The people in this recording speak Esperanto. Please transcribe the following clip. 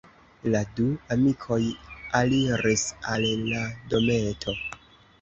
La du amikoj aliris al la dometo.